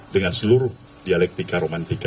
dengan seluruh dialektika romantika